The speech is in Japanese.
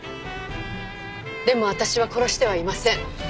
でも私は殺してはいません。